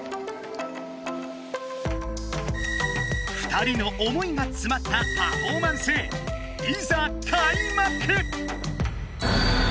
２人の思いがつまったパフォーマンスいざかいまく！